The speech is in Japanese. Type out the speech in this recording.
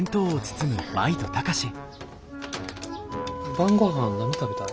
晩ごはん何食べたい？